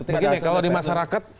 kalau di masyarakat